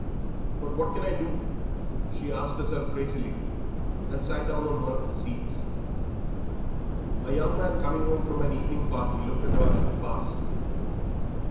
"But what can I do?" she asked herself crazily, and sat down on one of the seats. A young man coming home from an evening party looked at her as he passed.